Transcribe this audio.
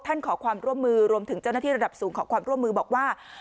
ขอความร่วมมือรวมถึงเจ้าหน้าที่ระดับสูงขอความร่วมมือบอกว่า